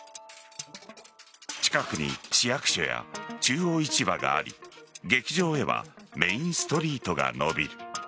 近くに市役所や中央市場があり劇場へはメインストリートが延びる